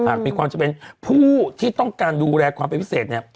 มีความจะเป็นผู้ที่ต้องการดูแลความเป็นพิเศษเนี่ย